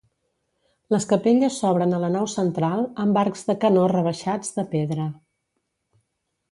Les capelles s'obren a la nau central amb arcs de canó rebaixats de pedra.